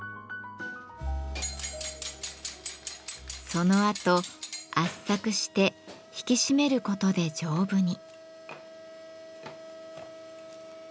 そのあと圧搾して引き締めることで丈夫に。